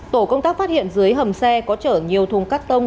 tổ công tác phát hiện dưới hầm xe có chở nhiều thùng cắt tông